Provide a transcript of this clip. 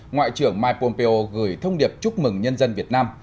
ngoại trưởng mike pompeo gửi thông điệp chúc mừng nhân dân việt nam